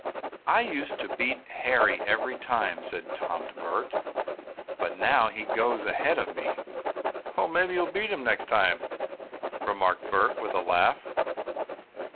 "I used to beat Harry every time," said Tom to Bert, "but now he goes ahead of me." "Well, maybe you'll beat him next time," remarked Bert, with a laugh.